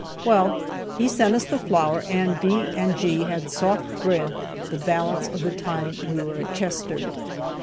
Well, he sent us the flour, and D and G had soft bread the balance of the time we were at Chester.